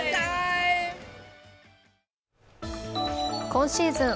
今シーズン